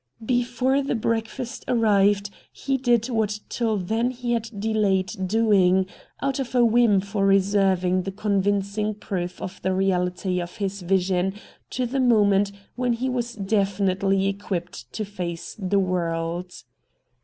Before the breakfast arrived he did what till then he had delayed doing, out of a whim for reserving the convincing proof of the reality of his vision to the moment when he was definitely equipped to face the world.